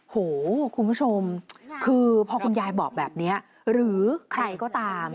โหคุณผู้ชมคือพอคุณยายบอกแบบนี้หรือใครก็ตาม